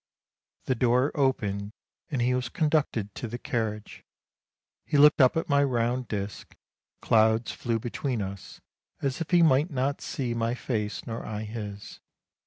The door opened, and he was conducted to the carriage, he looked up at my round disc — clouds flew between us, as if he might not see my face nor I his.